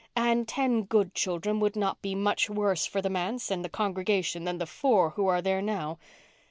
"And ten good children would not be much worse for the manse and congregation than the four who are there now.